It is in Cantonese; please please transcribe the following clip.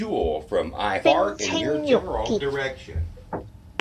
冰清玉潔